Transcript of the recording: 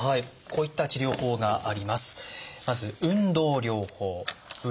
こういった治療法があります。